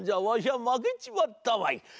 わしはまけちまったわい」。